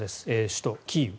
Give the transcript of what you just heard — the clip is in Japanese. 首都キーウ。